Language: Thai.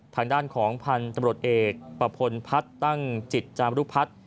ทางด้านของพันธุ์ตำรวจเอกประพลพัฒน์ตั้งจิตจามรุพัฒน์